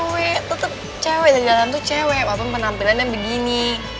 lebih suka kamu dandannya tomboi